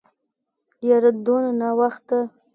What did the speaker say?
يره دونه ناوخته.